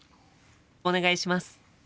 お願いします。